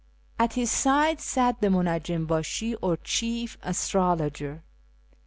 At his side sat the Munajjim bAshi, or Chief Astrologer.